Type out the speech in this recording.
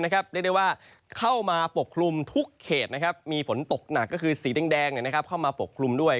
เรียกได้ว่าเข้ามาปกคลุมทุกเขตมีฝนตกหนักก็คือสีแดงเข้ามาปกคลุมด้วย